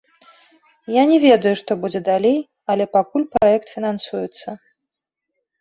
Я не ведаю, што будзе далей, але пакуль праект фінансуецца.